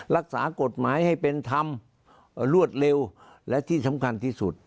รักษากฎหมายให้เป็นธรรมรวดเร็วและที่สำคัญที่สุด